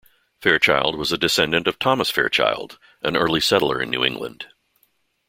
Fairchild was a descendant of Thomas Fairchild, an early settler in New England.